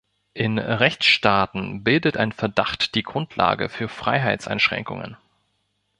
In Rechtsstaaten bildet ein Verdacht die Grundlage für Freiheitseinschränkungen.